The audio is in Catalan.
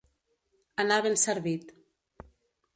Anar ben servit.